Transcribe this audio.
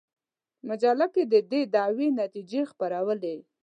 مجله کې د دې دعوې نتیجې خپرولې.